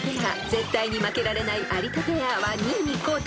［絶対に負けられない有田ペアは２位に後退］